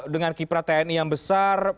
dengan kiprah tni yang besar